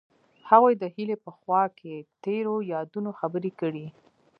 هغوی د هیلې په خوا کې تیرو یادونو خبرې کړې.